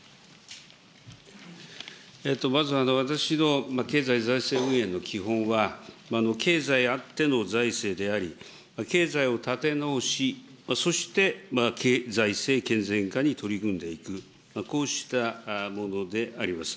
まず、私の経済財政運営の基本は、経済あっての財政であり、経済を立て直し、そして、財政健全化に取り組んでいく、こうしたものであります。